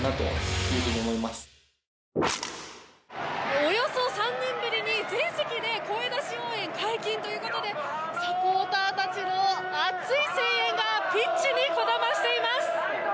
およそ３年ぶりに全席で声出し応援解禁ということでサポーターたちの熱い声援がピッチにこだましています。